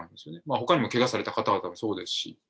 ほかにもけがされた方々もそうですし。